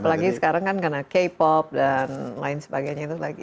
apalagi sekarang kan karena k pop dan lain sebagainya itu lagi